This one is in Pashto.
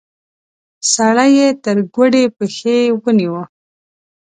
سړی يې تر ګوډې پښې ونيو.